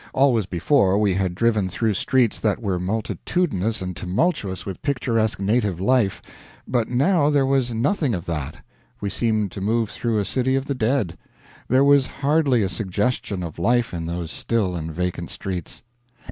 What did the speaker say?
Always before, we had driven through streets that were multitudinous and tumultuous with picturesque native life, but now there was nothing of that. We seemed to move through a city of the dead. There was hardly a suggestion of life in those still and vacant streets.